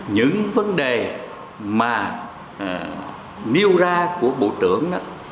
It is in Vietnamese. những vấn đề mà nêu ra của bộ trưởng